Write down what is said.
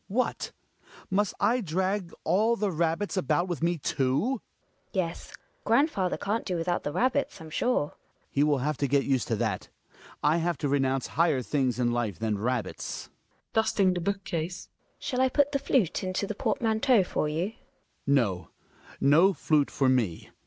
Hjalmar. What ! Must I drag all the rabbits about with me, too? Gina. Yes, grandfather can't do without the rabbits, j[*m sure. Hjalmar. He will have to get used to that. I have to renounce higher things in life than rabbits. Gina {dusting the book case). Shall I put the flute into the portmanteau for you ? Hjalmar. ^ No. No flute for me.